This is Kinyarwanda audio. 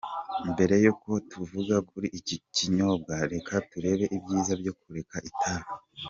Mbere yuko tuvuga kuri iki kinyobwa, reka turebe ibyiza byo kureka itabi.